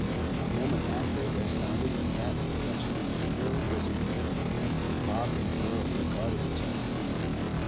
A moment after there sounded from that direction a shrill whistle. Bob and the girl regarded each other.